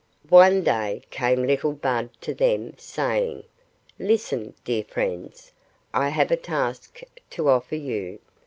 One day came little Bud to them, saying,— "Listen, dear friends. I have a hard task to offer you.